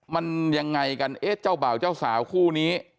มันยังไงกันเอ๊ะเจ้าบ่าวเจ้าสาวคู่นี้